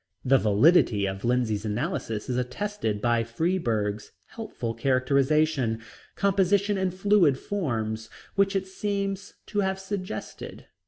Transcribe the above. The validity of Lindsay's analysis is attested by Freeburg's helpful characterization, "Composition in fluid forms," which it seems to have suggested.